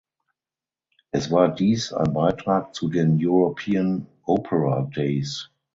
Es war dies ein Beitrag zu den "European Opera Days".